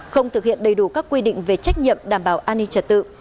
không thực hiện đầy đủ các quy định về trách nhiệm đảm bảo an ninh trật tự